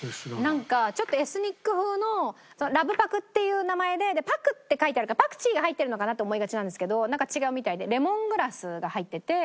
なんかちょっとエスニック風のラブパクっていう名前で「パク」って書いてあるからパクチーが入ってるのかな？って思いがちなんですけどなんか違うみたいでレモングラスが入ってて。